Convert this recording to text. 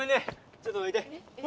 ちょっとどいて。